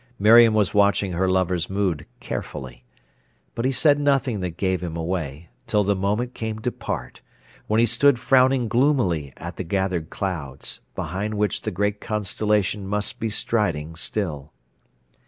Miriam was watching her lover's mood carefully. But he said nothing that gave him away, till the moment came to part, when he stood frowning gloomily at the gathered clouds, behind which the great constellation must be striding still.